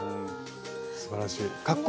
すばらしい。